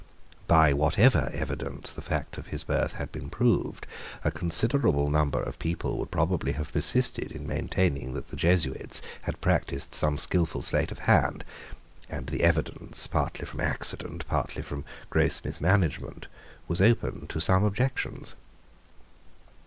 By whatever evidence the fact of his birth had been proved, a considerable number of people would probably have persisted in maintaining that the Jesuits had practised some skilful sleight of hand: and the evidence, partly from accident, partly from gross mismanagement, was open to some objections.